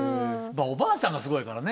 おばあさんがすごいからね。